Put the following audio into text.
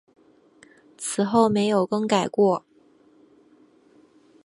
此后没有更改过。